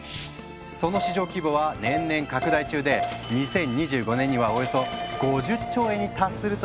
その市場規模は年々拡大中で２０２５年にはおよそ５０兆円に達するという予測もあるんです。